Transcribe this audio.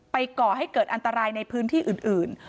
ก่อให้เกิดอันตรายในพื้นที่อื่น